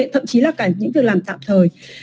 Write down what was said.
thậm chí là cả những việc làm tạm thời